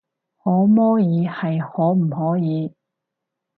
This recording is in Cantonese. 可摸耳係可唔可以